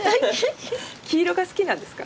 黄色が好きなんですか？